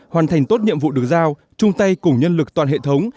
hoàn thành tốt nhiệm vụ được giao chung tay cùng nhân lực toàn hệ thống